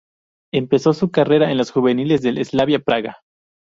Empezó su carrera en las juveniles del Slavia Praga.